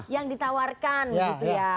yang ditawarkan gitu ya